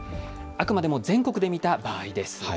あくまでも全国で見た場合です。